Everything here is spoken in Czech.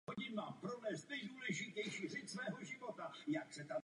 Vím, že jsem vyčerpala svůj čas.